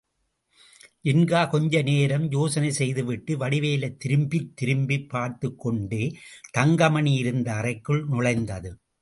ஜின்கா கொஞ்சம் நேரம் யோசனை செய்துவிட்டு, வடிவேலைத் திரும்பித் திரும்பிப் பார்த்துக் கொண்டே தங்கமணி இருந்த அறைக்குள் நுழைந்தது.